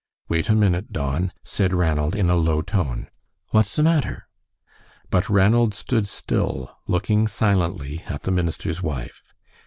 "Wait a minute, Don," said Ranald, in a low tone. "What's the matter?" But Ranald stood still, looking silently at the minister's wife.